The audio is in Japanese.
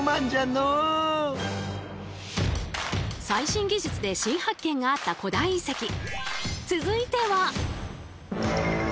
最新技術で新発見があった古代遺跡